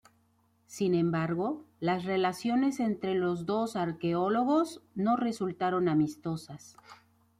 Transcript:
Sin embargo, las relaciones entre los dos arqueólogos no resultaron amistosas.